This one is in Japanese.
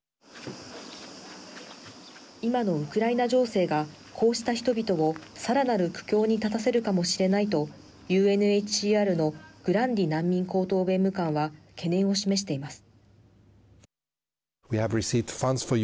今のウクライナ情勢がこうした人々を更なる苦境に立たせるかもしれないとＵＮＨＣＲのグランディ難民高等弁務官は懸念を示しています。